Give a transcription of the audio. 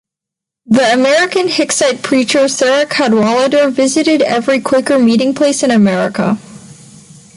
The American Hicksite preacher Sarah Cadwallader visited every Quaker meeting place in America.